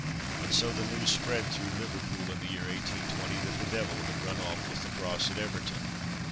And so the news spread through Liverpool, in the year 1820, that the Devil had run off with the Cross at Everton.